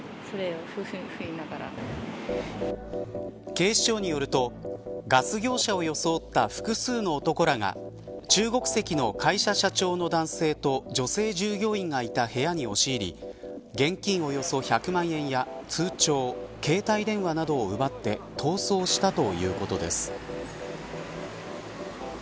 警視庁によるとガス業者を装った複数の男らが中国籍の会社社長の男性と女性従業員がいた部屋に押し入り現金およそ１００万円や通帳携帯電話などを奪って逃走したということです。